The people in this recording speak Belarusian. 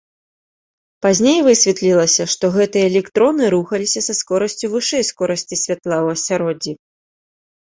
Пазней высветлілася, што гэтыя электроны рухаліся са скорасцю вышэй скорасці святла ў асяроддзі.